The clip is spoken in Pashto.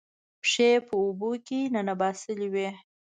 پښې یې په اوبو کې ننباسلې وې